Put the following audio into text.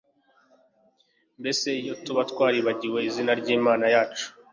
mbese iyo tuba twaribagiwe izina ry'imana yacu